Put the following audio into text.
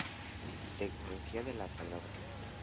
Tecnología de la palabra.